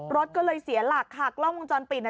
รถก็เลยเสียหลักค่ะกล้องวงจรปิดน่ะ